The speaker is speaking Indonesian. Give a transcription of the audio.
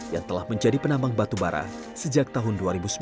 yang telah menjadi penambang batubara sejak tahun dua ribu sembilan